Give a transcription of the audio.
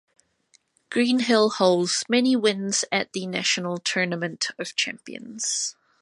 Greenhill holds many wins at the National Tournament of Champions.